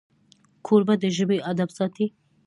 کوربه د ژبې ادب ساتي.